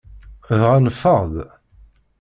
Dɣa neffeɣ-d.